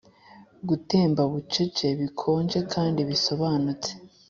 gutemba bucece, bikonje kandi bisobanutse,